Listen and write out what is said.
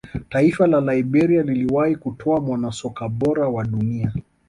taifa la liberia liliwahi kutoa mwanasoka bora wa dunia